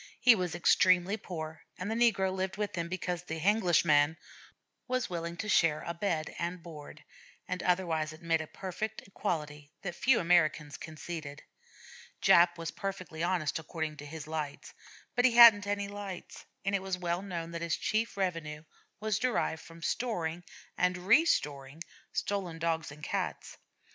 He was extremely poor, and the negro lived with him because the 'Henglish man' was willing to share bed and board, and otherwise admit a perfect equality that few Americans conceded. Jap was perfectly honest according to his lights, but he hadn't any lights; and it was well known that his chief revenue was derived from storing and restoring stolen Dogs and Cats.